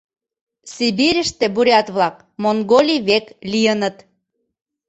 Сибирьыште бурят-влак Монголий век лийыныт.